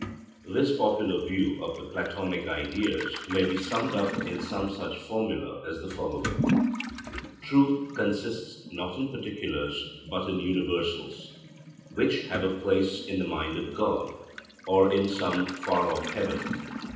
This popular view of the Platonic ideas may be summed up in some such formula as the following: 'Truth consists not in particulars, but in universals, which have a place in the mind of God, or in some far off heaven.